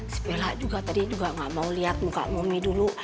si bella juga tadi juga gak mau liat muka mumi dulu